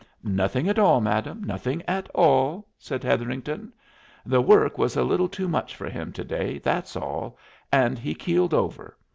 "Nothing at all, madam, nothing at all," said Hetherington. "The work was a little too much for him to day that's all and he keeled over.